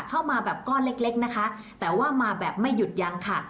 เข้ามาแบบก้อนเล็กเล็กนะคะแต่ว่ามาแบบไม่หยุดยังค่ะ